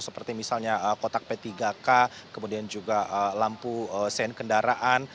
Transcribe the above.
seperti misalnya kotak p tiga k kemudian juga lampu sen kendaraan